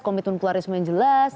komitmen pluralisme yang jelas